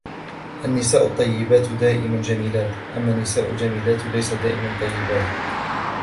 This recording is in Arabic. النساء الطيبات دائما جميلات, أما النساء الجميلات لسن دائما طيبات.